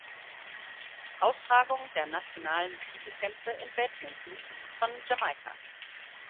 Austragung der nationalen Titelkämpfe im Badminton von Jamaika.